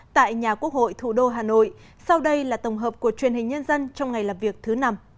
tại nhà quốc hội thủ đô hà nội sau đây là tổng hợp của truyền hình nhân dân trong ngày làm việc thứ năm